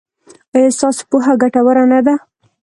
ایا ستاسو پوهه ګټوره نه ده؟